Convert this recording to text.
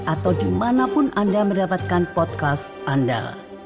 atau dimanapun anda mendapatkan podcast anda